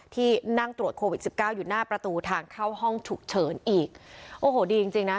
ที่นั่งตรวจโควิดสิบเก้าอยู่หน้าประตูทางเข้าห้องฉุกเฉินอีกโอ้โหดีจริงจริงนะ